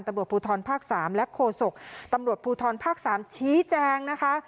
ตำรวจภูทรภาค๓และโฆษกตำรวจภูทรภาค๓ชี้แจงนะคะ